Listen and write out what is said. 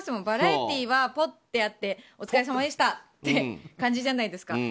バラエティーは、ポッてやってお疲れさまでしたって感じじゃないですか。